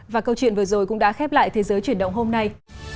và câu chuyện vừa rồi cũng đã khép lại thế giới chuyển động hôm nay